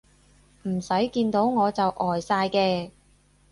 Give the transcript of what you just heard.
唔使見到我就呆晒嘅